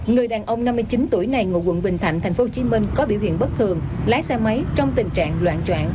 người đàn ông năm mươi chín tuổi này ngụ quận bình thạnh tp hcm có biểu hiện bất thường lái xe máy trong tình trạng loạn trạng